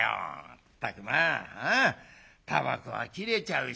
まったくまあタバコは切れちゃうしま